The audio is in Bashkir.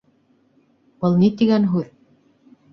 Был ни тигән һүҙ?